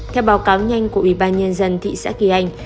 theo báo cáo nhanh của ủy ban nhân dân thị xã kỳ anh